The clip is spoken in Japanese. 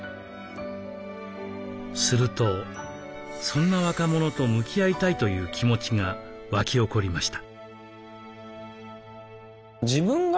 するとそんな若者と向き合いたいという気持ちが湧き起こりました。